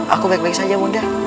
aku baik baik saja muda